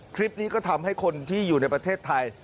คลิปนี้ก็ทำให้คนที่อยู่ในประเทศไทย